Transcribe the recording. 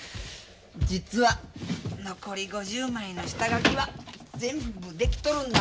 実は残り５０枚の下書きは全部できとるんだ。